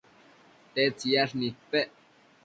tedtsiyash nidpec